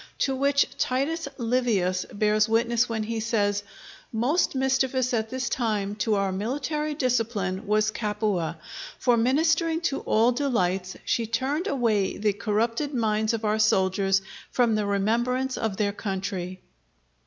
To which Titus Livius bears witness when he says, "_Most mischievous at this time to our military discipline was Capua; for ministering to all delights, she turned away the corrupted minds of our soldiers from the remembrance of their country_."